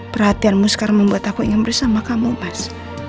perhatianmu sekarang membuat aku ingin bersama kamu pas